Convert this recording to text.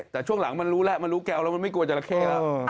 แต่ช่วงหลังมันรู้แล้วมันรู้แก้วแล้วมันไม่กลัวจราเข้แล้ว